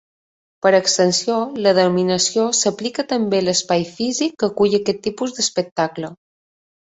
Per extensió, la denominació s'aplica també a l'espai físic que acull aquest tipus d'espectacle.